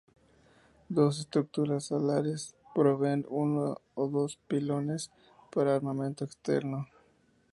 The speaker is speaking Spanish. Dos estructuras alares proveen uno o dos pilones para armamento externo.